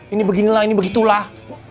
ini beginilah ini begitulah